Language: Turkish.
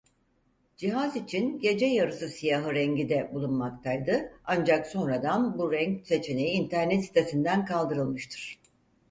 Cihaz için gece yarısı siyahı rengi de bulunmaktaydı ancak sonradan bu renk seçeneği internet sitesinden kaldırılmıştır.